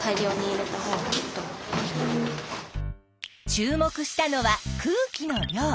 注目したのは空気の量。